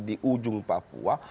di ujung papua